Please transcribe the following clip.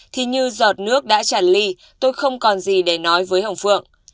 thì như giọt nước đã tràn ly tôi không còn gì để nói với hồng phượng